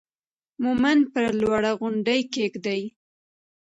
مومن پر لوړه غونډۍ کېږدئ.